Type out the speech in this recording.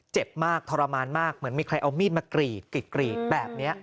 เจ็บมากทรมานมากเหมือนมีใครเอามีดมากรีดกรีดแบบนี้